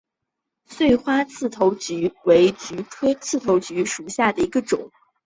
穗花刺头菊为菊科刺头菊属下的一个种。